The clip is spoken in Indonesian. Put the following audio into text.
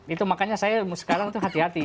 itu makanya saya sekarang itu hati hati